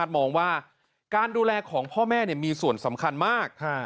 มองว่าการดูแลของพ่อแม่มีส่วนสำคัญมาก